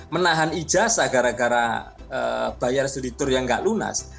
menahan ijazah gara gara bayar studi tour yang nggak lunas